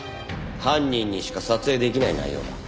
犯人にしか撮影できない内容だ。